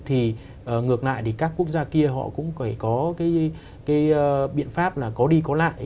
thì ngược lại thì các quốc gia kia họ cũng phải có cái biện pháp là có đi có lại